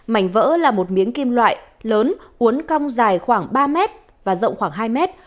mảnh vỡ là một miếng kim loại lớn uốn cong dài khoảng ba mét và rộng khoảng hai mét